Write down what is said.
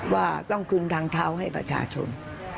ว่าต้องคืนทางเท้าให้ประชาชน